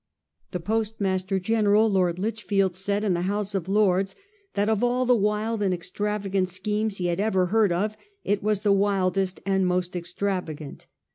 The Postmaster G eneral, Lord Lichfield, said in the House of Lords, that of all the wild and extravagant schemes he had ever heard of, it was the wildest and most extrava gant.